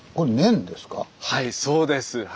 はいそうです。